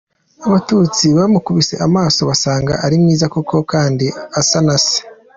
Abatutsi bamukubise amaso basanga ari mwiza koko kandi asa na Se.